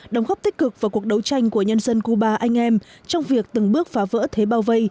đồng góp tích cực vào cuộc đấu tranh của nhân dân cuba anh em trong việc từng bước phá vỡ thế bao vây